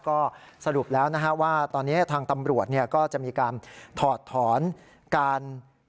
ก็สรุปแล้วนะฮะว่าตอนนี้ทางตำรวจก็จะมีการถอดถอนการ